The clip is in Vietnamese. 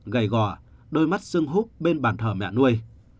gầy gò đôi mắt sưng hút bên bàn thở mẹ nuôi